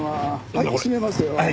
はい閉めますよ。